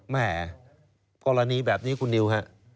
แหมกรณีแบบนี้คุณนิว